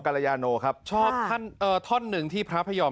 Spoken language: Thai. การยันโนครับชอบท่อนึงที่พระพระยอม